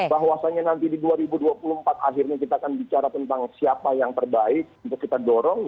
bahwasannya nanti di dua ribu dua puluh empat akhirnya kita akan bicara tentang siapa yang terbaik untuk kita dorong